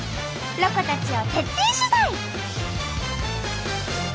ロコたちを徹底取材！